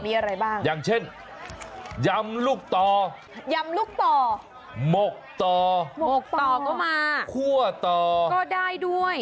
มีอะไรบ้างอย่างเช่นยำลูกต่อหมกต่อคั่วต่อก็ได้ด้วย